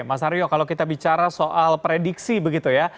mas aryo kalau kita bicara soal prediksi begitu ya